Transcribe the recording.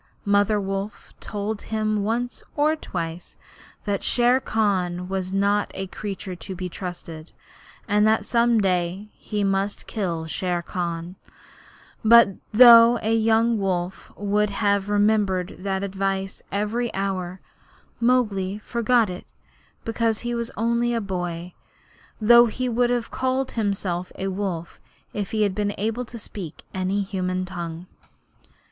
Mother Wolf told him once or twice that Shere Khan was not a creature to be trusted, and that some day he must kill Shere Khan; but though a young wolf would have remembered that advice every hour, Mowgli forgot it because he was only a boy though he would have called himself a wolf if he had been able to speak in any human tongue.